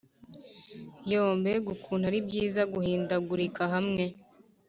yoo mbega ukuntu ari byiza guhindagurika hamwe